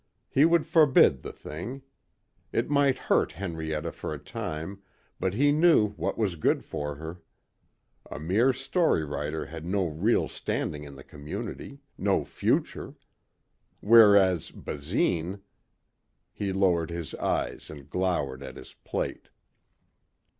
He would forbid the thing. It might hurt Henrietta for a time but he knew what was good for her. A mere story writer had no real standing in the community, no future. Whereas Basine.... He lowered his eyes and glowered at his plate....